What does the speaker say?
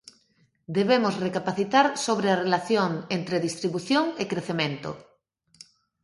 Debemos recapacitar sobre a relación entre distribución e crecemento.